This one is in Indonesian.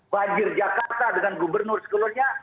banjir jakarta dengan gubernur sebelumnya